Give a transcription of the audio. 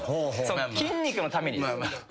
筋肉のために。